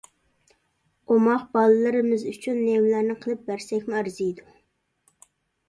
ئوماق بالىلىرىمىز ئۈچۈن نېمىلەرنى قىلىپ بەرسەكمۇ ئەرزىيدۇ.